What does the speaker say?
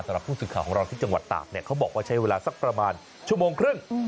สำหรับผู้สื่อข่าวของเราที่จังหวัดตากเนี่ยเขาบอกว่าใช้เวลาสักประมาณชั่วโมงครึ่ง